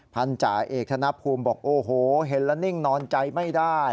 จ่าเอกธนภูมิบอกโอ้โหเห็นแล้วนิ่งนอนใจไม่ได้